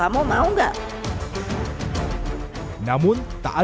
namun tak ada yang menyebutkan